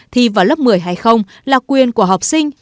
thi vào lớp một mươi hay không là quyền của học sinh